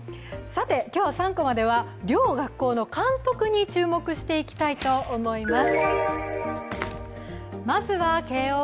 今日は３コマでは両学校の監督に注目していきたいと思います。